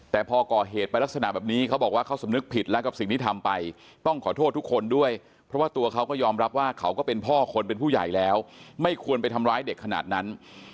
แต่พอก่อเหตุไปลักษณะแบบนี้เขาบอกว่าเขาสำนึกผิดแล้วกับสิ่งที่ทำไปต้องขอโทษทุกคนด้วยเพราะว่าตัวเขาก็ยอมรับว่าเขาก็เป็นพ่อคนเป็นผู้ใหญ่แล้วไม่ควรไปทำร้ายเด็กขนาดนั้น